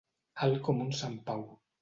Alt com un sant Pau.